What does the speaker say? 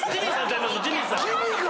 ⁉ジミーか！